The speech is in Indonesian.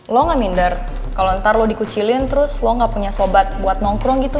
lo gak minder kalau ntar lo dikucilin terus lo gak punya sobat buat nongkrong gitu